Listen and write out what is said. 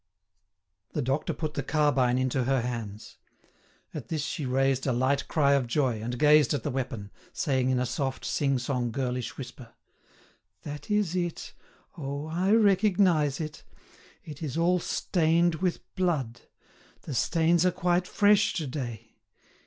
The doctor put the carbine into her hands. At this she raised a light cry of joy, and gazed at the weapon, saying in a soft, sing song, girlish whisper: "That is it. Oh! I recognise it! It is all stained with blood. The stains are quite fresh to day.